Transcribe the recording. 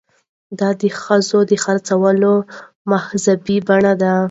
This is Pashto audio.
دا د ښځو د خرڅولو مهذبه بڼه ده.